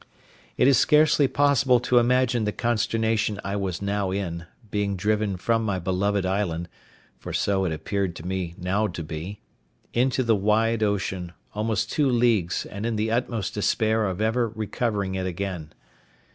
It is scarcely possible to imagine the consternation I was now in, being driven from my beloved island (for so it appeared to me now to be) into the wide ocean, almost two leagues, and in the utmost despair of ever recovering it again.